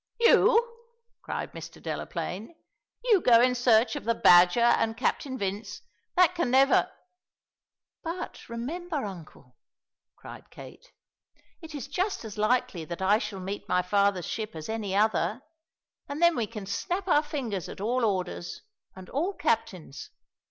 "You!" cried Mr. Delaplaine, "you go in search of the Badger and Captain Vince? That can never " "But remember, uncle," cried Kate, "it is just as likely that I shall meet my father's ship as any other, and then we can snap our fingers at all orders and all captains.